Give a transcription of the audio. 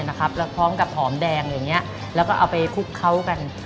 ปลาชอดเครียดทอดแล้วพร้อมแดงแบบนี้แล้วก็ไปคลุกเค้ากัน